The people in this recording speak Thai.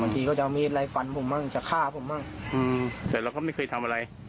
บางทีเขาจะมีอะไรฝันผมบ้างจะฆ่าผมบ้างอืมแต่เราก็ไม่เคยทำอะไร